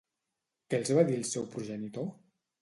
Què els va dir el seu progenitor?